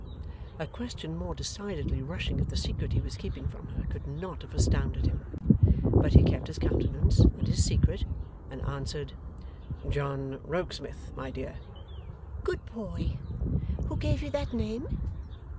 A question more decidedly rushing at the secret he was keeping from her, could not have astounded him. But he kept his countenance and his secret, and answered, 'John Rokesmith, my dear.' 'Good boy! Who gave you that name?